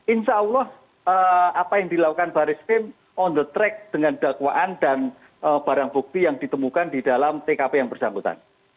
insya allah apa yang dilakukan baris krim on the track dengan dakwaan dan barang bukti yang ditemukan di dalam tkp yang bersangkutan